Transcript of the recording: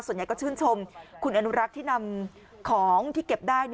ส่วนใหญ่ก็ชื่นชมคุณอนุรักษ์ที่นำของที่เก็บได้